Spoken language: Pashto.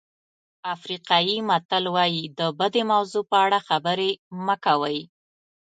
افریقایي متل وایي د بدې موضوع په اړه خبرې مه کوئ.